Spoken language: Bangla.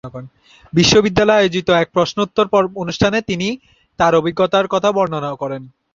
বিশ্ববিদ্যালয়ে আয়োজিত এক প্রশ্নোত্তর অনুষ্ঠানে তিনি তার অভিজ্ঞতার কথা বর্ণনা করেন।